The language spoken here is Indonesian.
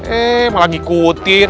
eh malah ngikutin